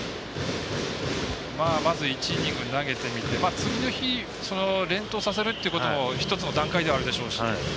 まず１イニング投げてみて次の日、連投させるってことも１つの段階ではあるでしょうし。